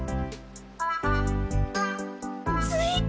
着いた！